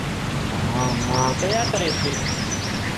ۮيا ڪري سي